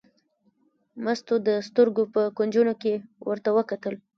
مستو د سترګو په کونجونو کې ور وکتل.